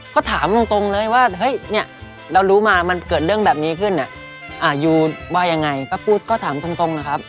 ก็ถามตรงเลยว่าเรารู้มามันเกิดเรื่องแบบนี้ขึ้นอายุว่ายังไงก็ถามตรงนะครับ